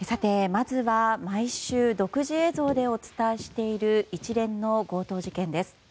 まずは毎週独自映像でお伝えしている一連の強盗事件です。